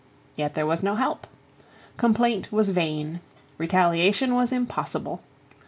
Yet there was no help. Complaint was vain. Retaliation was impossible.